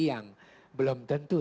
yang belum tentu